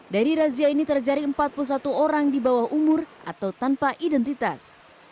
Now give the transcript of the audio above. dari razia ini terjadi empat puluh satu orang di bawah umur atau tanpa identitas